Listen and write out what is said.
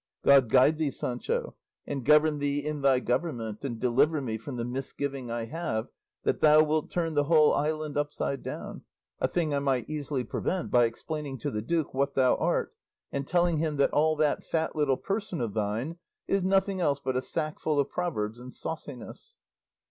God guide thee, Sancho, and govern thee in thy government, and deliver me from the misgiving I have that thou wilt turn the whole island upside down, a thing I might easily prevent by explaining to the duke what thou art and telling him that all that fat little person of thine is nothing else but a sack full of proverbs and sauciness."